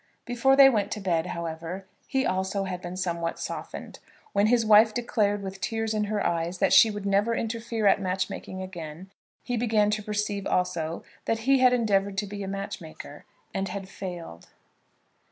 Before they went to bed, however, he also had been somewhat softened. When his wife declared, with tears in her eyes, that she would never interfere at match making again, he began to perceive that he also had endeavoured to be a match maker and had failed.